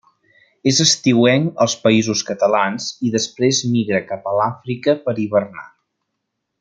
És estiuenc als Països Catalans i després migra cap a l'Àfrica per hivernar.